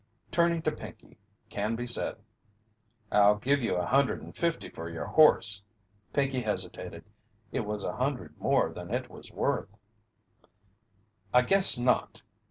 Turning to Pinkey, Canby said: "I'll give you a hundred and fifty for your horse." Pinkey hesitated. It was a hundred more than it was worth. "I guess not."